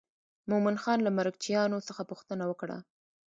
مومن خان له مرکچیانو څخه پوښتنه وکړه.